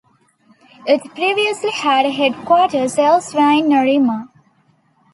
It previously had a headquarters elsewhere in Nerima.